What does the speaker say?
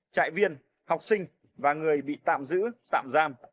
trại viên học sinh và người bị tạm giữ tạm giam